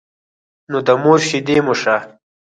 نو د مور شيدې مو شه.